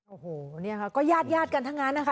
โอ้โหเนี่ยค่ะก็ญาติกันทั้งนั้นนะคะ